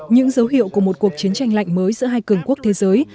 những dấu hiệu của một cuộc chiến tranh lạnh mới giữa hai cường quốc thế giới